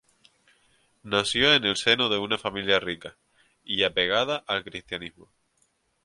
Nació en el seno de una familia rica y apegada al cristianismo.